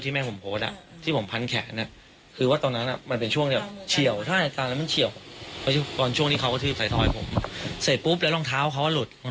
ใช่ครับเขาก็กระทืบผมผมก็หลบมือกันเขาก็กระทืบที่สีตาผมสองครั้ง